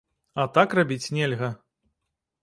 А так рабіць нельга.